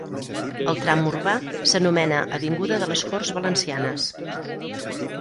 El tram urbà s'anomena avinguda de les Corts Valencianes.